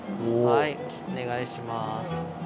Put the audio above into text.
はいお願いします。